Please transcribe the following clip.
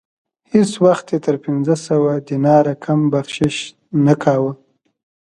هیڅ وخت یې تر پنځه سوه دیناره کم بخشش نه کاوه.